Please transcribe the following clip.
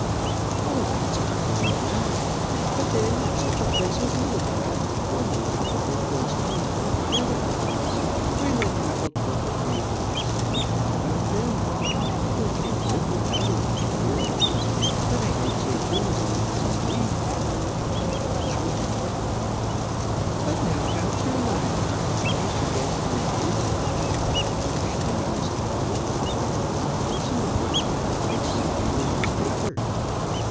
"Oh, that's all very well. But then, at such a place as Littlebath, one would have to hold one's tongue altogether. I let people talk of me, and so I talk about them. One can't live without it, my dear. But I don't say things like Mrs. Leake." "I'm sure you don't." "But now about Sir Lionel; can't you guess who it is?" "How should I, Miss Todd? I don't know a person in Littlebath except you and Miss Baker."